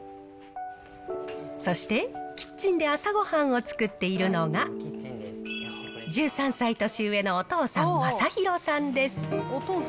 そして、キッチンで朝ごはんを作っているのが、１３歳年上のお父さん、まさひろさんです。